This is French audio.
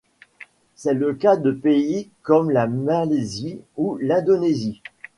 C'est le cas de pays comme la Malaisie ou l'Indonésie.